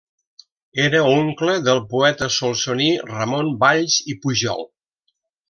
Era oncle del poeta solsoní Ramon Valls i Pujol.